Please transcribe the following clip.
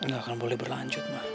gak akan boleh berlanjut mah